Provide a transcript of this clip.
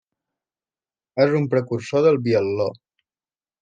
És un precursor del biatló.